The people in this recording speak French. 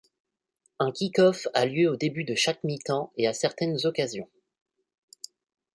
Un kickoff a lieu au début de chaque mi-temps et à certaines occasions.